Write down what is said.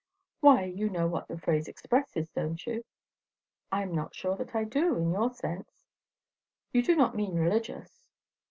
"Why, you know what that phrase expresses, don't you?" "I am not sure that I do, in your sense. You do not mean religious?"